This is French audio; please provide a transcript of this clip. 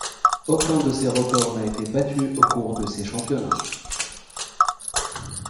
Aucun de ces records n'a été battu au cours de ces championnats.